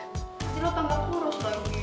nanti lo tambah kurus lagi